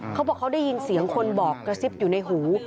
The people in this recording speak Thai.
เขาบอกเขาได้ยินเสียงคนบอกกระซิบอยู่ในหู